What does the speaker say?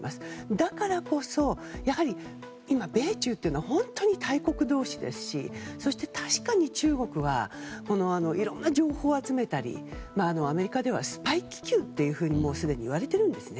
だからこそやはり米中というのは本当に大国同士ですしそして確かに中国はいろんな情報を集めたりアメリカではスパイ気球とすでにいわれてるんですね。